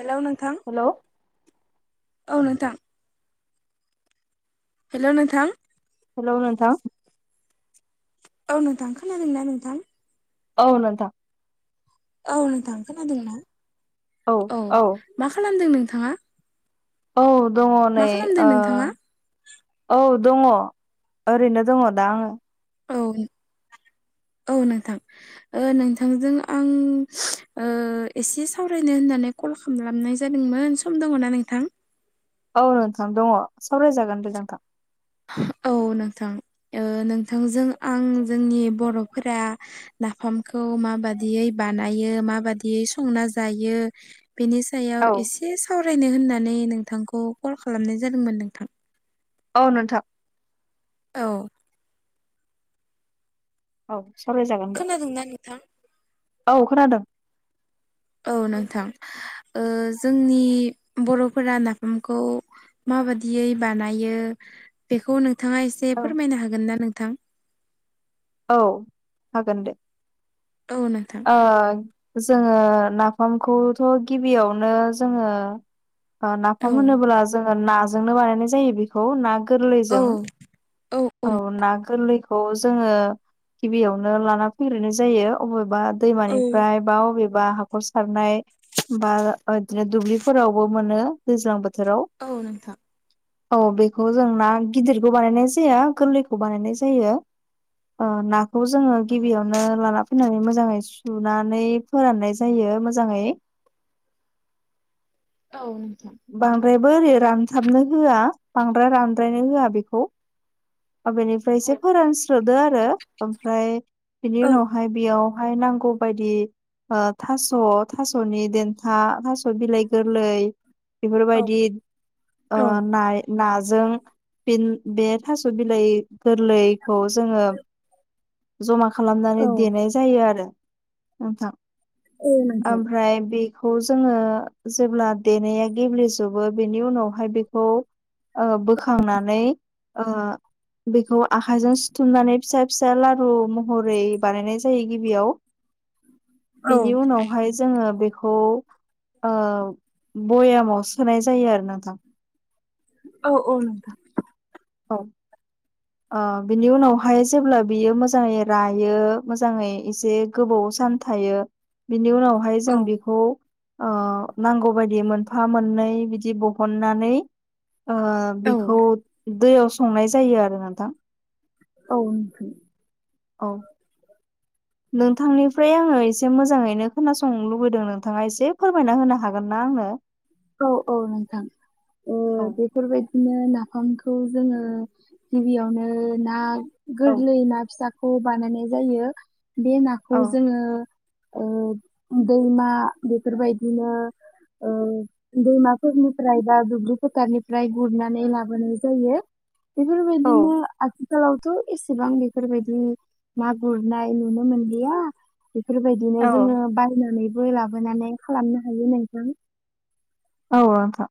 Hello नोंथां। Hello औ नोंथां। हेलौ नोंथां। हेलौ नोंथां। औ नोंथां खोनादों ना नोंथां? औ नोंथां। औ नोंथां खोनादों ना? औ मा खालामदों नोंथाङा? औ दङो मा नै खालामदों ओ नोंथाङा औ दङ। ओरैनो दङो दा आङो। औ औ नोंथां। ओ नोंथांजों आं ओ एसे सावरायनो होननानै कल खामलानाय जादोंमोन सम दङ ना नोंथां? औ नोंथां दङो सावराय जागोन दे नोंथां। औ नोंथां ओ नोंथांजों आं जोंनि बर'फोरा नाफामखौ माबादियै बानायो माबादियै संना जायो। बेनि सायाव औ एसे सावरायनो होननानै नोंथांखौ कल खालामनाय जादोंमोन नोंथां। औ नोंथां। औ औ सावरायजागोन दे। खोनादोंना नोंथां? औ खोनादों। औ नोंथां। ओ जोंनि बर'फोरा नाफामखौ मा बादियै बानायो बेखौ नोंथाङा एसे औ फोरमायनो हागोन ना नोंथां। औ हागोन दे। औ नोंथां ओ जोङो नाफामखौथ' गिबियावनो जोङो ओ औ नाफाम होनोब्ला जोङो नाजोंनो बानायनाय जायो। बिख खौ ना औ गोरलैजों। औ ना गोरलैखौ जोङो गिबियावनो लाना फैग्रोनाय जायो अबेबा औ दैमानिफ्राय। बा अबेबा हाखर सारनाय बा ओ दिनो दुब्लिफोरावबो मोनो। दैज्लां बोथोराव औ नोंथां। औ बेखौ जों ना गिदिरखौ बानायनाय जाया, गोरलैखौ बानायनाय जायो। ओ नाखौ जोङो औ गिबियावनो लाना नानै मोजाङै सुनानै फोराननाय जायो मोजाङै। औ नोंथां बांद्रायबो ओरै रानथाबनो होआ बांद्राय रानद्रायनो होआ बेखौ बेनिफ्राय औ एसे फोरानस्रोदो आरो ओमफ्राय बिनि औ उनावहाय बेयावहाय नांगौबायदि ओ थास' थास'नि देन्था थास' बिलाइ गोरलै औ बेफोरबायदि ओ नाय नाजों फिन बे थास' बिलाइ गोरलैखौ जोङो जमा औ खालामनानै देनाय नाय जायो आरो नोंथां औ नोंथां ओमफ्राय बे खौ जोङो जेब्ला देनाया गेब्लेजोबो बेनि उनावहाय बेखौ ओ बोखांनानै ओ बेखौ आखाइजों सुथुमनानै फिसा फिसा लारु महरै बानायनाय जायो गिबियाव [inaudible] बिनि उनावहाय जोङो बेखौ ओ बयामाव सोनाय जायो आरो नोंथां औ औ नोंथां औ ओ बिनि उनावहाय जेब्ला बियो मोजाङै रायो मोजाङै एसे गोबाव सान थायो बिनि उनाव हाय जों औ बेखौ नांगौबायदि मोनफा मोननै बिदि बहननानै ओ औ बिखौ दैयाव संनाय जायो आरो नोंथां औ औ नोंथांनिफ्राय आङो एसे मोजाङैनो खोनासंनो लुबैदों नोंथाङा एसे फोरमायना होनो हागोन ना आंनो? औ औ नोंथां ओ औ बेफोरबायदिनो नाफामखौ जोङो गिबियावनो ना औ गोरलै ना फिसाखौ बानायनाय जायो बे नाखौ औ जोङो ओ दैमा बेफोरबायदिनो ओ दैमाफोरनिफ्राय बा दुब्लि फोथारनिफ्राय गुरनानै लाबोनाय जायो। बेफोरफोर औ बेदिनो आ थिखालावथ' एसेबां बेफोरबायदि ना गुरनाय नुनो मोनलिया। बेफोरबायदिनो औ जोङो बायनानैबो लाबोनानै खालामनो हायो नोंथां। औ नोंथां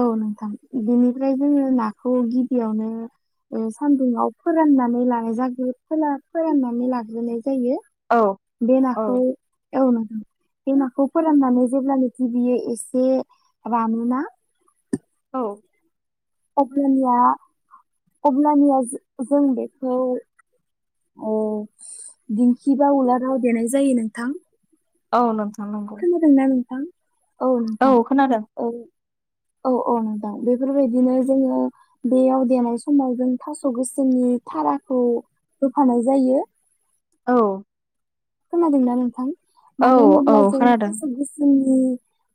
औ नोंथां बेनिफ्राय जोङो नाखौ गिबियावनो ओ सान्दुंआव फोराननानै लानाय जाग्रोयो फोला फोराननानै लाग्रोनाय जायो। औ बे औ नाखौ औ नोंथां बे नाखौ फोराननानै जेब्लानोखि बियो एसे रानोना? औ अब्लानिया अब्लानिया जों बेखौ ओ दिंखि बा उलाराव देनाय जायो नोंथां। औ नोंथां नंगौ। खोनादोना नोंथां औ नोंथां औ औ अ अ नोंथां बेफोरबायदिनो जोङो बेयाव देनाय समाव जों थास' गोसोमनि थाराखौ होफानाय जायो। औ खोनादोंना नोंथां औ मानो औ होनोब्ला जों खोनादों थास' गोसोमनि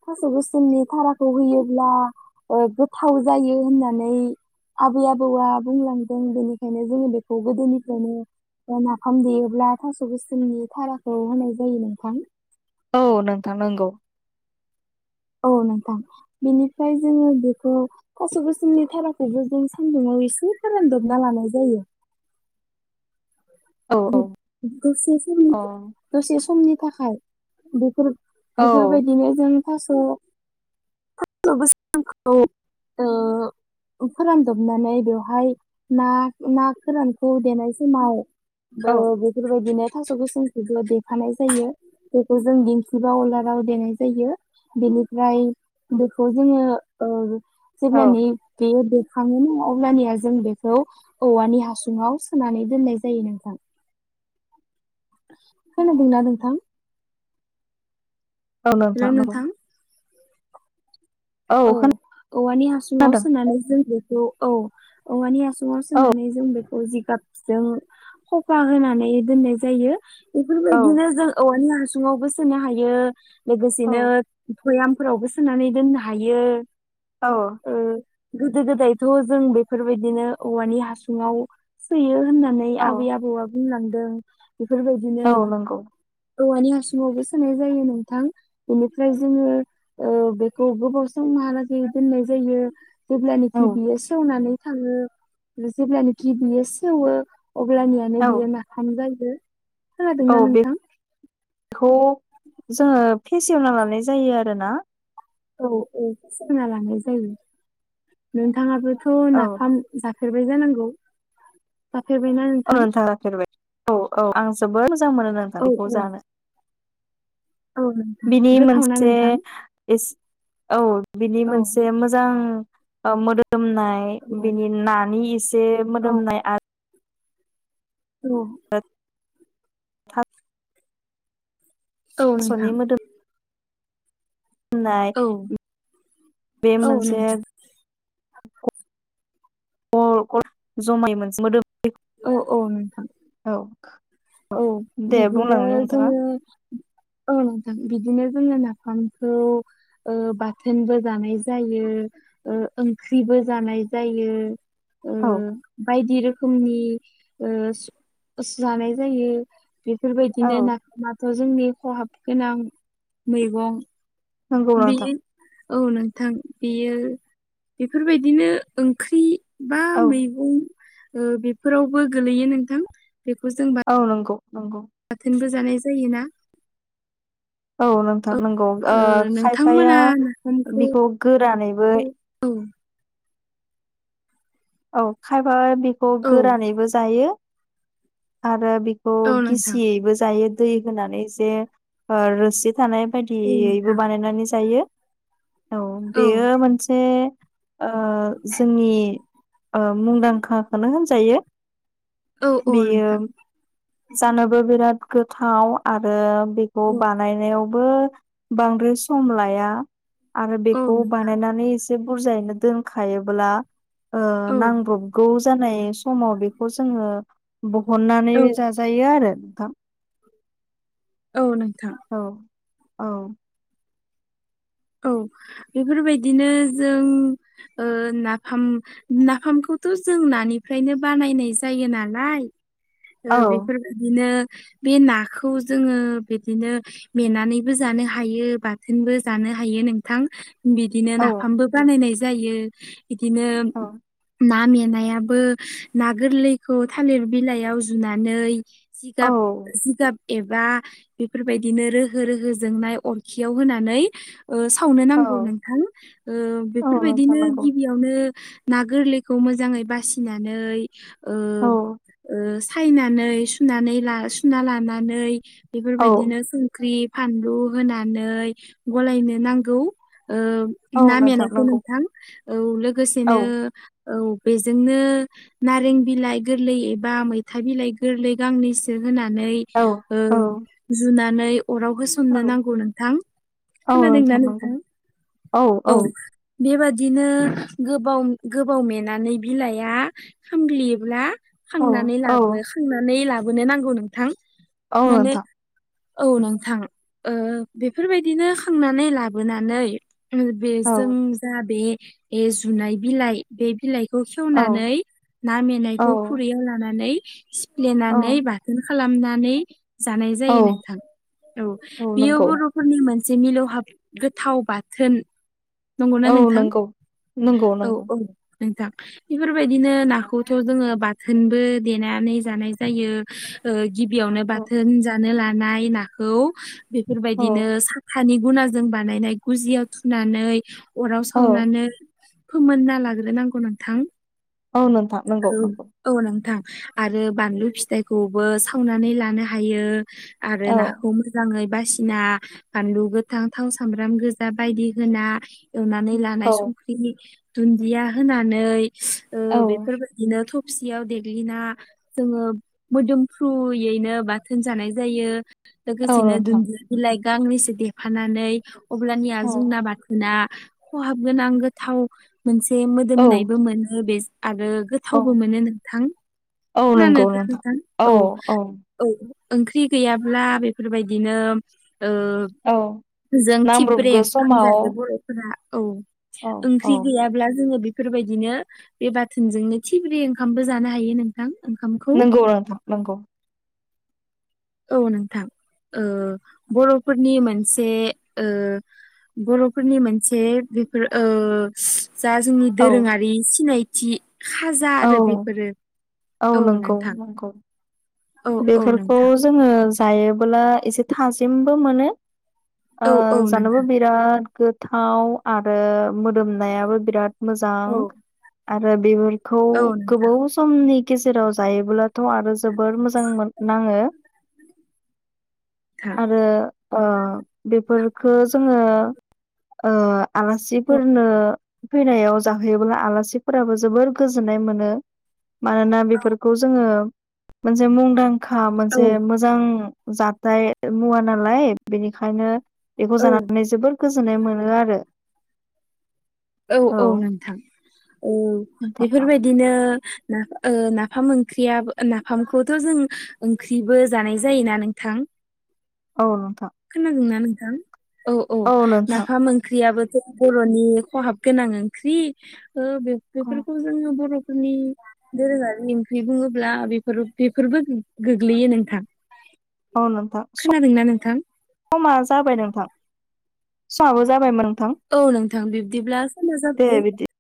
थास' गोसोमनि थाराखौ होयोब्ला ओ गोथाव जायो होननानै आबै आबौआ बुंलांदों बेनिखायनो जोङो बेखौ गोदोनिफ्रायनो नाफाम देयोब्ला थास' गोसोमनि थाराखौ होनाय जायो नोंथां। औ नोंथां नंगौ औ नोंथां बिनिफ्राय जोङो बेखौ थास' गोसोमनि थाराखौबो जों सान्दुङाव एसे फोरानदबना लानाय जायो। औ बे औ दसे सम अ दसे समनि थाखाय बेफोर औ बेफोरबायदिनो जों थास' [unintelligible] ओ फोरानदबनानै बेवहाय ना ना फोरानखौ देनाय समाव औ ओ बेफोरबायदिनो थास' गोसोमखौबो देफानाय जायो। बेखौ जों दिंखि बा अलाराव देनाय जायो। बेनिफ्राय बेखौ जोङो ओ औ जेब्लानि बेयो देखाङो न अब्लानिया जों बेखौ औवानि हासुङाव सोनानै दोननाय जा जायो नोंथां। खोनादोंना नोंथां? औ नोंथां औ। औ औवानि हासुङाव खोनादों सोनानै जों बेखौ औ औवानि हास सुङाव औ सोनानै जों बेखौ जिगाबजों खफा होनानै दोननाय जायो। औ बेफोरबायदिनो जों औवानि हासुङावबो सोनो हायो औ लोगोसेनो भयामफोरावबो सोनानै दोननो हायो। औ ओ गोदो गोदायथ' जों बेफोरबायदिनो औवानि हासुङाव सोयो होननानै नै औ आबै आबौआ बुंलांदों। बेफोरबायदिनो औ नंगौ औवानि हासुंङावबो सोनाय जायो नोंथां बेनिफ्राय जोङो ओ बेख गोबाव समहालागै दोननाय जायो औ जेब्लानोखि बियो सेवनानै थाङो जेब्लानोखि बियो सेवो अब्लानियानो औ बेयो ना फाम जायो। औ खोनादोंना नोंथां? बेखौ जोङो फेसेवना लानाय जायो आरोना? औ औ सोना लानाय जायो नोंथाङाबोथ' औ नाफाम जाफेरबाय जानांगौ जाफेरबायना नो औ नोंथां जाफेरबाय औ औ आं जोबोद मोजां मोनो नोंथां औ बेखौ औ जानो। औ नोंथां बिनि गोथावना मोनसे नोंथां इस औ बिनि औ मोनसे मोजां ओ मोदोमनाय औ बिनि नानि एसे औ मोदोमनाय आरो औ [unintelligible] औ नोंथां। थास'नि होननाय औ बे औ मोनसे नोंथां [unintelligible] मोदोम औ औ नोंथां। औ औ दे बिदिनो बुंलांनो नोंथाङा जोङो औ नोंथां बिदिनो जोङो नाफामखौ ओ बाथोनबो जानाय जायो। ओ ओंख्रिबो जानाय जायो। ओ औ बायदि रोखोमनि ओ जानाय जायो। औ बेफोरबायदिनो नाफामाथ' जोंनि खहाब गोनां मैगं। नंगौ नोंथां बेयो औ नोंथां बेयो बेफोरबायदिनो ओंख्रि बा औ मैगं ओ बेफोरावबो गोलैयो नोंथां बेखौ जों बा औ नंगौ नंगौ। बाथोनबो जानाय जायोना औ नोंथां नंगौ ओ खायफाया नोंथांमोना नाफामखौ बेखौ गोरानैबो औ औ खायफा बेखौ औ गोरानैबो जायो आरो बेखौ औ नोंथां गिसियैबो जायो दै होनानै जे ओ रोसि थानाय औ बायदियैबो नोंथां बानायनानै जायो औ औ बेयो मोनसे ओ जोंनि ओ मुंदांखाखोनो होनजायो औ औ बेयो नोंथां जानोबो बिराद गोथाव आरो बे खौ औ बानायनायावबो बांद्राय सम लाया आरो औ बेखौ नोंथां बानायनानै एसे बुरजायैनो दोनखायोब्ला ओ औ नांब्रबगौ जानाय समाव बेखौ जोङो बहननानै औ जाजायो आरो नोंथां औ नोंथां औ औ औ बेफोरबायदिनो जों नाफाम नाफामखौथ' जों नानिफ्रायनो बानायनाय जायो नालाय औ बेफोर बिदिनो बे नाखौ जोङो बिदिनो मेनानैबो जानो हायो बाथोनबो जानो हा हायो नोंथां बिदिनो नाफामबो बानायनाय जायो बिदिनो ना मेंनायाबो ना गोरलैखौ थालिर बिलायाव जुनानै जिगाब जिगाब एबा बेफोरबायदिनो रोहो रोहो जोंनाय अरखियाव होनानै ओ सावनो औ नांगौ नोंथां ओ औ नोंथां बेफोरबायदिनो नंगौ गिबिया यावनो ना गोरलैखौ मोजाङै बासिनानै औ ओ-ओ सायनानै सुनानै ला सुना लानानै औ बेफोरबायदिनो संख्रि फानलु होनानै गलायनो नांगौ औ ना नोंथां मेनायखौ नंगौ नोंथां औ औ लोगोसेनो औ बेजोंनो नारें बिलाइ गोरलै एबा मैथा बिलाइ गोरलै गांनैसो होनानै औ ओ औ जुनानै अराव औ होसोमनो नांगौ नोंथां औ खोनादोंना नंगौ नोंथां औ बेबादिनो गोबाव गोबाव मेनानै बिलाया खामग्लियोब्ला औ खांनानै औ लाबो खांनानै लाबोनो नांगौ नोंथां औ नोंथां माने औ नोंथां ओ बेफोरबायदिनो खांनानै लाबोनानै ओ बे जों औ जा बे जुनाय बिलाइ बे बिलाइखौ औ खेवनानै ना औ मेनायखौ खुरैयाव लानानै औ सिफ्लेनानै बाथोन खालामनानै जानाय जायो औ नोंथां औ बेयो बर'फोरनि मोन से मिलौहाब गोथाव बाथोन नंगौना औ नोंथां नंगौ नंगौ औ नंगौ - औ नोंथां बेफोरबायदिनो नाखौथ' जोङो बाथोनबो देनानै जानाय जायो गिबियावनो औ बाथोन जानो लानाय नाखौ बेफोरबायदिनो औ सा थानि गुनाजों बानायनाय गुजियाव थुनानै अराव औ सावनानै फोमोनना लाग्रोनांगौ नोंथां औ नोंथां नंगौ औ नंगौ औ नोंथां आरो बानलु फिथाइखौबो सावनानै लानो हायो आरो औ नाखौ मोजाङै बासिना बानलु गोथां थाव सामब्राम गोजा बायदि होना एवनानै लानाय स औ [unintelligible] दुनदिया होनानै औ बेफोर थबसियाव देग्लिना जोङो मोदोमफ्रुयैनो बाथोन जानाय जायो औ लोगोसेनो नोंथां दुुनदिया बिलाइ गांनैसो देफानानै अब्लानिया औ जोंना बाथोन ना खहाब गोनां गोथाव मोनसे औ मोदोमनायबो मोनो बेस आरो गोथ थावबो औ मोनो नोंथां। खोनादों दा नोंथां? औ ओंख्रि गैयाब्ला बेफोरबायदिनो ओ औ जों थिबब्रे नांब्रबगो ओंखाम समाव जायो बर' फोरा औ औ औ ओंख्रि गैयाब्ला जोङो बे फोरबायदिनो बे बाथोनजोंनो थिब्रे ओंखामबो जानो हायो नों थां ओंखामखौ। नंगौ नोंथां नंगौ औ नोंथां ओ बर'फोरनि मोनसे ओ बर'फोरनि मोनसे बेफोर ओ जा जोंनि औ दोरोङारि सिनायथि। खाजा औ आरो बेफोरो औ नंगौ नोंथां। नंगौ औ औ बेफोरखौ नोंथां जोङो जायोबोला एसे थाजिमबो मोनो। ओ औ औ जानोबो नोंथां बिराद गोथाव आरो मोदोमनायाबो बिराद मोजां औ आरो बेफोरखौ औ नोंथां गोबाव समनि गेजेराव जायोब्लाथ' आरो जोबोर मोजां मोन नाङो। थां आरो ओ बेफोरफोरखो जोङो ओ औ आलासिफोरनो फैनायाव जाहोयोब्ला आलासिफोराबो जोबोर गोजोननाय मोनो। मानोना बेफोरखौ जोङो मोनसे मुंदांखा औ मोनसे मोजां जाथाय मुवा नालाय बेनिखायनो बेखौ जानानै जोबोर गोजोननाय मोनो आरो। औ औ नोंथां औ नोंथां बेफोरबायदि बिदिनो नाफ ओ नाफाम ओंख्रियाबो नाफामखौथ' जों ओंख्रिबो जानाय जायोना नोंथां। औ नोंथां। खोनादोंना नोंथां? औ औ। नाफाम ओंख ख्रियाबोथ' बर'नि खहाब गोनां ओंख्रि ओ औ बेफोरखो खौ जोङो बर'फोरनि दोरोङारि ओंख्रि बुङोब्ला बेफोर बेफोरबो गोग्लैयो नोंथां। औ नोंथां खोनादोंना नोंथां समा जाबाय नोंथां। समाबो जाबाय होनबा नोंथां। औ नोंथां बिब्दिब्ला समा दे जाबोबाय। बिदि